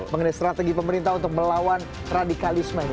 mengenai strategi pemerintah untuk melawan radikalisme ini